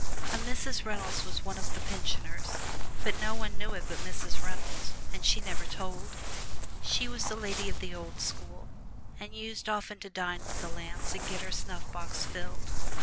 A Mrs. Reynolds was one of the pensioners, but no one knew it but Mrs. Reynolds, and she never told. She was a Lady of the Old School, and used often to dine with the Lambs and get her snuffbox filled.